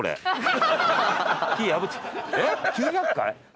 えっ９００回？